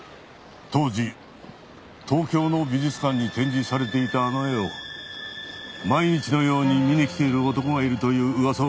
当時東京の美術館に展示されていたあの絵を毎日のように見にきている男がいるという噂を耳にした。